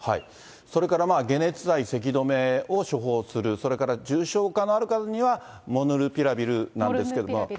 それから解熱剤、せき止めを処方する、それから重症化のある方には、モルヌピラビルなんですけれども。